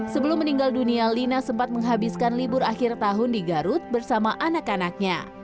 sebelum meninggal dunia lina sempat menghabiskan libur akhir tahun di garut bersama anak anaknya